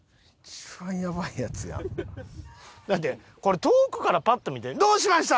だってこれ遠くからパッと見て「どうしました！？」